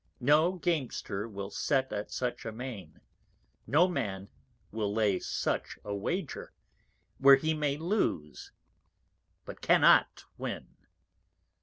No Gamester will set at such a Main; no Man will lay such a Wager, where he may lose, but cannot win.